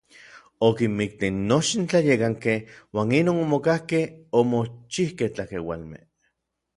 Okinmikti nochtin tlayekankej uan inon omokakej omochikej tlakeualmej.